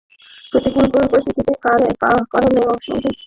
প্রতিকূল পরিস্থিতির কারণে অসংখ্য আদিবাসী পরিবার বাধ্য হয়ে ভারতে শরণার্থী হয়েছে।